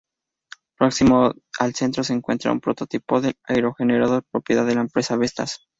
Próximo al cerro se encuentra un prototipo de aerogenerador propiedad de la empresa Vestas.